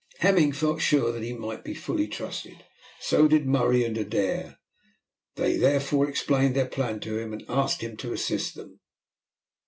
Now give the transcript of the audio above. Hemming felt sure that he might be fully trusted, so did Murray and Adair. They therefore explained their plan to him, and asked him to assist them.